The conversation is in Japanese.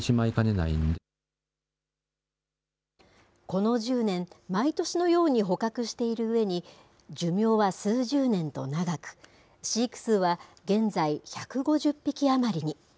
この１０年、毎年のように捕獲しているうえに、寿命は数十年と長く、飼育数は現在１５０匹余りに。